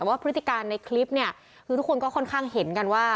พฤติการในคลิปเนี่ยคือทุกคนก็ค่อนข้างเห็นกันว่า